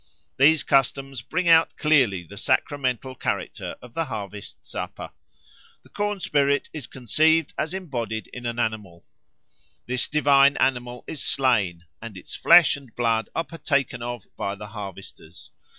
These customs bring out clearly the sacramental character of the harvest supper. The corn spirit is conceived as embodied in an animal; this divine animal is slain, and its flesh and blood are partaken of by the harvesters.